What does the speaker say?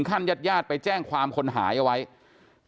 จนกระทั่งหลานชายที่ชื่อสิทธิชัยมั่นคงอายุ๒๙เนี่ยรู้ว่าแม่กลับบ้าน